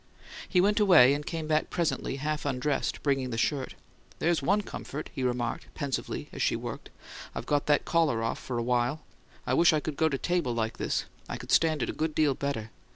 He went away, and came back presently, half undressed, bringing the shirt. "There's ONE comfort," he remarked, pensively, as she worked. "I've got that collar off for a while, anyway. I wish I could go to table like this; I could stand it a good deal better.